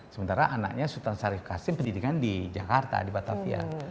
sementara anaknya sultan syarif qasim pendidikan di jakarta di batavia